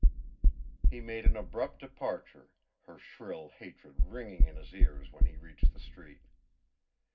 He made an abrupt departure, her shrill hatred ringing in his ears when he reached the street.